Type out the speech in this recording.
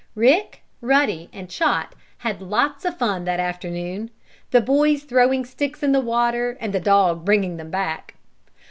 Rick, Ruddy and Chot had lots of fun that afternoon, the boys throwing sticks in the water and the dog bringing them back.